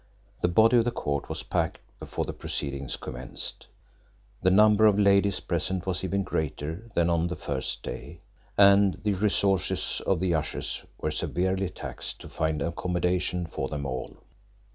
The body of the court was packed before the proceedings commenced. The number of ladies present was even greater than on the first day, and the resources of the ushers were severely taxed to find accommodation for them all.